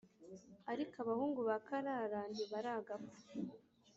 Ariko abahungu ba Karara ntibaragapfa